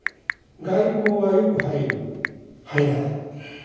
外光がよく入る入らない。